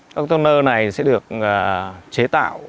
container này sẽ được chế tạo